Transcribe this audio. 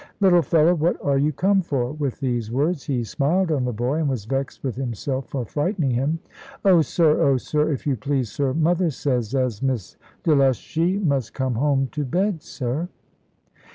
"Little fellow, what are you come for?" with these words he smiled on the boy, and was vexed with himself for frightening him. "Oh sir, oh sir, if you please, sir, mother says as Miss Delushy must come home to bed, sir."